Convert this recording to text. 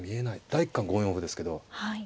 第一感５四歩ですけど。